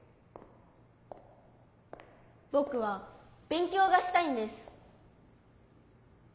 ぼくはべん強がしたいんです。